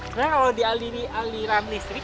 sebenarnya kalau dialiran listrik